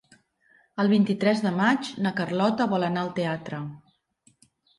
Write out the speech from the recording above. El vint-i-tres de maig na Carlota vol anar al teatre.